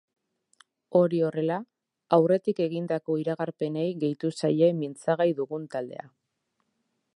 Hori horrela, aurretik egindako iragarpenei gehitu zaie mintzagai dugun taldea.